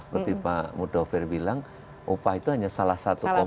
seperti pak mudofir bilang upah itu hanya salah satu komponen